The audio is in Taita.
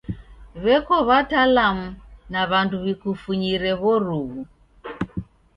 W'eko watalamu na w'andu w'ikufunyire w'oruw'u.